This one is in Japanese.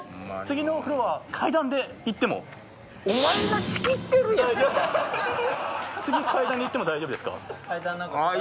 次階段で行っても大丈夫ですか？